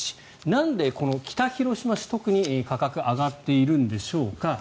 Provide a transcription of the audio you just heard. なんで、この北広島市特に価格が上がっているんでしょうか。